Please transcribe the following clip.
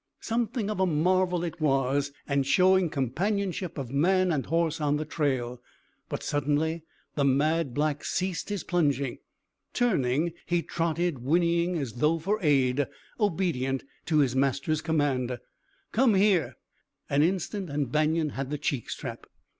_" Something of a marvel it was, and showing companionship of man and horse on the trail; but suddenly the mad black ceased his plunging. Turning, he trotted whinnying as though for aid, obedient to his master's command, "Come here!" An instant and Banion had the cheek strap.